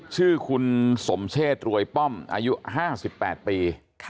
ชื่อคุณสมเชษรวยป้อมอายุ๕๘ปี